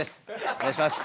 お願いします。